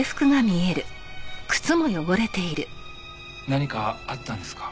何かあったんですか？